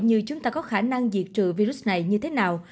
như chúng ta có khả năng diệt trừ virus này như thế nào